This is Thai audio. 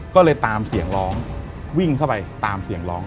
ก็เลยตามเสียงร้องวิ่งเข้าไปตามเสียงร้อง